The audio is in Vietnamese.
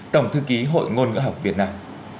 tổng thư ký hội ngôn ngữ học việt nam